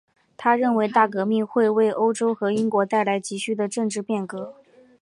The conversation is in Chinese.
他认为大革命会为欧洲和英国带来急需的政治变革。